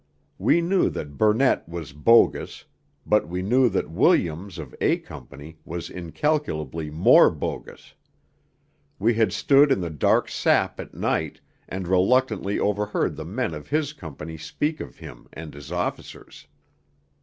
We knew that Burnett was 'bogus'; but we knew that Williams of A Company was incalculably more 'bogus'; we had stood in the dark sap at night and reluctantly overheard the men of his company speak of him and his officers.